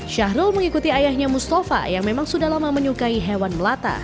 syahrul mengikuti ayahnya mustafa yang memang sudah lama menyukai hewan melata